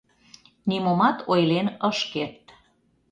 — Нимомат ойлен ыш керт...